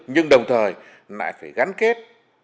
nhưng đồng thời lại phải gắn kết